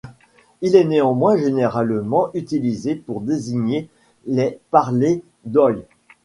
Il est néanmoins généralement utilisé pour désigner les parlers d'oïl.